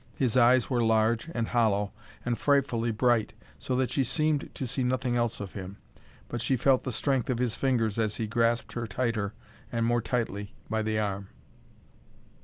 His eyes were large, and hollow, and frightfully bright, so that she seemed to see nothing else of him; but she felt the strength of his fingers as he grasped her tighter and more tightly by the arm.